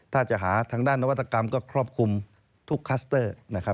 ถ้าจะหาทางด้านนวัตกรรมก็ครอบคลุมทุกคลัสเตอร์